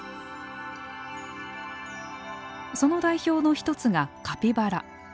その代表の一つがカピバラ。